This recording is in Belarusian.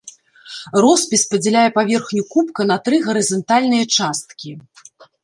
Роспіс падзяляе паверхню кубка на тры гарызантальныя часткі.